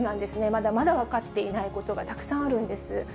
まだまだ分かっていないことがたくさんあるんです。